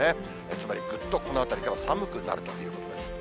つまりぐっとこのあたりから寒くなるということです。